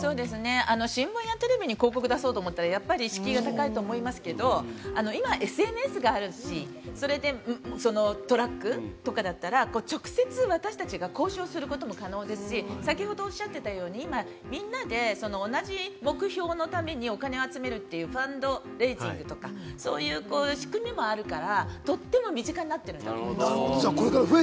新聞やテレビに広告を出そうと思ったら敷居が高いと思いますけど、今ＳＮＳがあるし、トラックとかだったら直接、私たちが交渉することも可能ですし、先ほどおっしゃっていたように、みんなで同じ目標のためにお金を集めるというファンド、レイジングとか、そういう仕組みもあるから、とっても身近になっている。